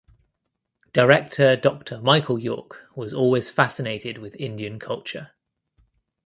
Director Doctor Michael Yorke was always fascinated with Indian culture.